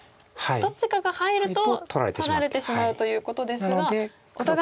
どっちかが入ると取られてしまうということですがお互い触らなければ。